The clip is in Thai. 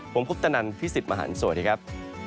ผมพุทธนันทร์พิสิทธิ์มหันต์สวัสดีครับ